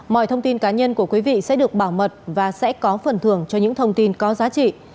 mọi thông tin cá nhân của quý vị sẽ được bảo mật và sẽ có phần thưởng cho những thông tin có giá trị